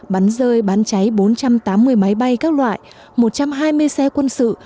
bắn rơi bắn cháy bốn trăm tám mươi máy bay các loại một trăm hai mươi xe quân sự